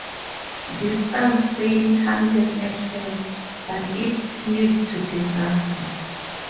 This sounds fairly harmless at first, but it leads to disaster.